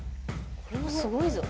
これはすごいぞ。